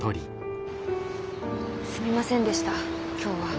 すみませんでした今日は。